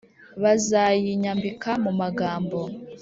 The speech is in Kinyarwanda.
bazayinyambika mu magambo